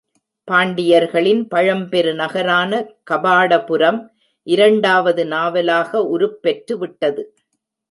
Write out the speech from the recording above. பாண்டியர்களின் பழம்பெரு நகரான கபாடபுரம் இரண்டாவது நாவலாக உருப்பெற்று விட்டது.